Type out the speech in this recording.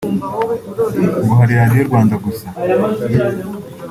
ngo hari radiyo Rwanda gusa